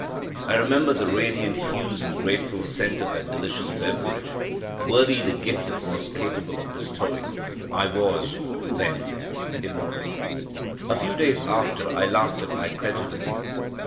I remembered the radiant hues and grateful scent of that delicious beverage worthy the gift it was capable of bestowing I was, then, IMMORTAL! A few days after I laughed at my credulity.